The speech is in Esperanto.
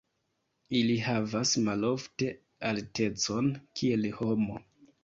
Ili havas malofte altecon kiel homo.